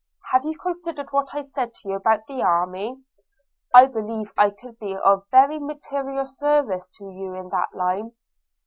Have you considered what I said to you about the army? – I believe I could be of very material service to you in that line.'